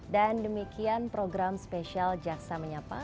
dan demikian program spesial jaksa menyapa